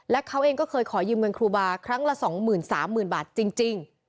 และเขาเองก็เคยขอยืมเงินครูบาร์ครั้งละสองหมื่นสามหมื่นบาทจริง